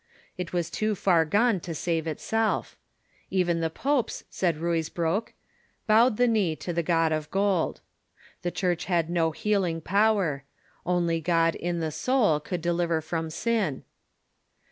It was too far gone to save itself. Even the popes, said Ruysbroek, bowed the knee to the god of gold. The Church had no heal ing power. Only God in the soul could deliver from sin.